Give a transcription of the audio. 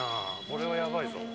これはやばいぞ。